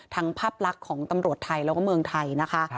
ทั้งภาพลักษณ์ของตำรวจไทยแล้วก็เมืองไทย